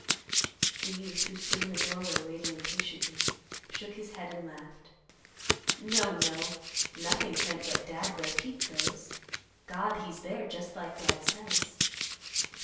The youth, who stood in the doorway waiting impatiently, shook his head and laughed, "No, no; nothing can't get Dad where Pete goes. God he's there just like Dad says."